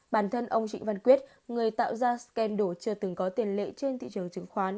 bản thân ông trịnh văn quyết người tạo ra scan đồ chưa từng có tiền lệ trên thị trường chứng khoán